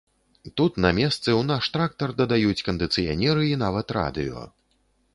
Тут на месцы ў наш трактар дадаюць кандыцыянеры і нават радыё.